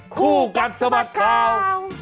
คู่กันสมัครคราว